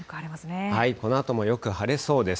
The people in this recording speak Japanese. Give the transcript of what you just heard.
このあともよく晴れそうです。